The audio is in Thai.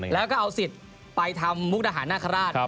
แล้วก็เอาสิทธิ์ไปทำมุกดาหารนาคาราช